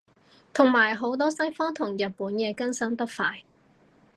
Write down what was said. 同埋好多西方同日本嘢更新得快